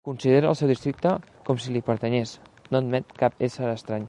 Considera el seu districte com si li pertanyés, no admet cap ésser estrany.